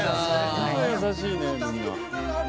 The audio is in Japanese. ホント優しいねみんな。